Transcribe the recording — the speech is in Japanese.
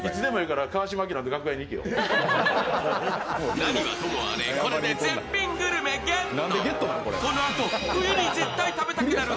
何はともあれ、これで絶品グルメゲット。